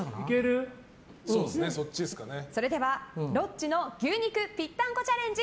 それでは、ロッチの牛肉ぴったんこチャレンジ